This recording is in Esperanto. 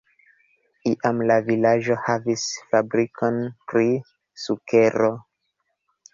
Iam la vilaĝo havis fabrikon pri sukero.